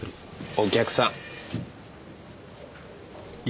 お客さん。